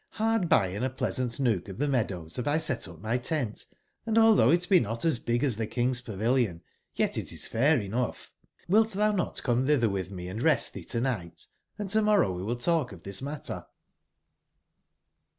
Hard by in a pleasant nook of tbe meadows bave Isetupmy tent ; and altbougb it be not as big as tbe King's pavilion, yet it is fair enougb. <nilt tbou not come tbitber witb me and rest tbee to/nigbt ; and to morrow we will talk of tbis matter?"